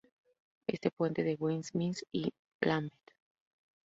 Este puente une Westminster y Lambeth.